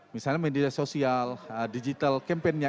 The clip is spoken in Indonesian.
misalnya media sosial digital campainya